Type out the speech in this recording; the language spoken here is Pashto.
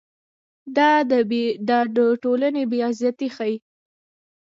دا د ټولنې بې عزتي ښيي.